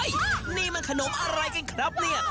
นี่มันขนมอะไรกันครับเนี่ย